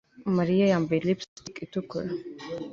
Mariya yambaye lipstiki itukura